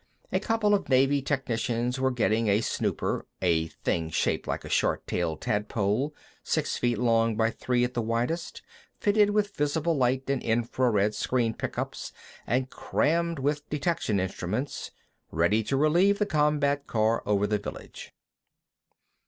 A couple of Navy technicians were getting a snooper a thing shaped like a short tailed tadpole, six feet long by three at the widest, fitted with visible light and infra red screen pickups and crammed with detection instruments ready to relieve the combat car over the village.